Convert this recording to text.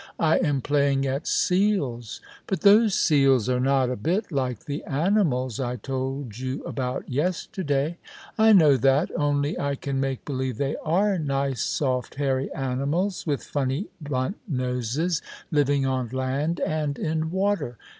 " I am playing at seals." " But those seals are not a bit like the animals I told you about yesterday." " I know that, only I can make believe they are nice soft hau y animals, with funny blunt noses, living on land and in water.